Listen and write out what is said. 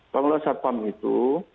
pengelolaan satpam itu